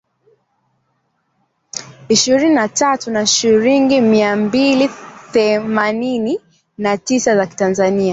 ishirini na tatu na shilingi mia mbili themianini na tisa za Tanzania